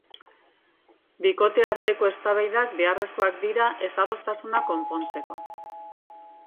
Bikote arteko eztabaidak beharrekoak dira ez-adostasunak konpontzeko.